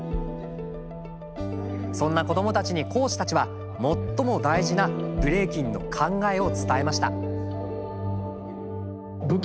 そんな子どもたちに講師たちは最も大事なブレイキンの考えを伝えました。